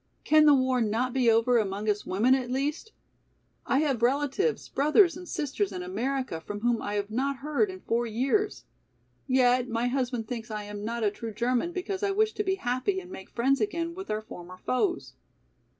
Can the war not be over among us women at least? I have relatives, brothers and sisters in America from whom I have not heard in four years. Yet my husband thinks I am not a true German because I wish to be happy and make friends again with our former foes."